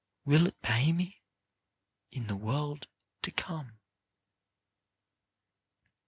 Will it pay me in the world to come